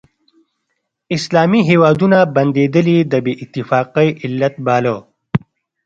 اسلامي هیوادونه بندېدل یې د بې اتفاقۍ علت باله.